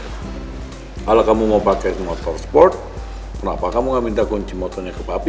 kalau kamu mau pakai motor sport kenapa kamu nggak minta kunci motornya ke papi